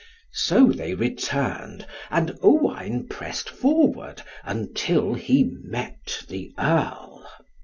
So they returned, and Owain pressed forward, until he met the Earl.